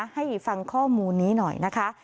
ให้ฟังข้อมูลนี้หน่อยนะคะ